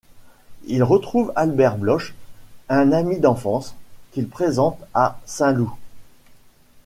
Il retrouve Albert Bloch, un ami d'enfance, qu'il présente à Saint-Loup.